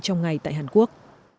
trong ngày tại hàn quốc